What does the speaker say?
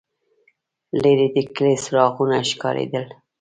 لرې د کلي څراغونه ښکارېدل.